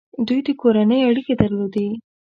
دوی د کورنۍ اړیکې درلودې.